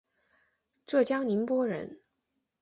浙江宁波人。